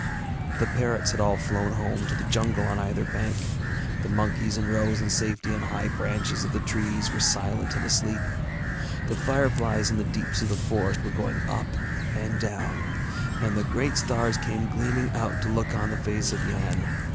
The parrots had all flown home to the jungle on either bank, the monkeys in rows in safety on high branches of the trees were silent and asleep, the fireflies in the deeps of the forest were going up and down, and the great stars came gleaming out to look on the face of Yann.